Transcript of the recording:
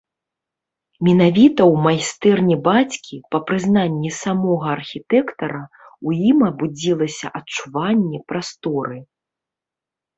Менавіта ў майстэрні бацькі, па прызнанні самога архітэктара, у ім абудзілася адчуванне прасторы.